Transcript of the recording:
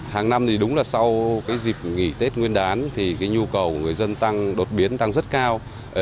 hàng năm thì đúng là sau cái dịp nghỉ tết nguyên đán thì cái nhu cầu người dân tăng đột biến tăng rất cao